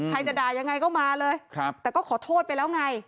จะด่ายังไงก็มาเลยแต่ก็ขอโทษไปแล้วไง